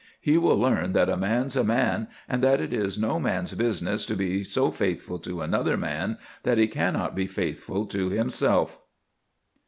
He will learn that a man's a man, and that it is no man's business to be so faithful to another man that he cannot be faithful to himself.